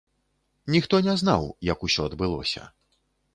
Ніхто не знаў, як ўсё адбылося.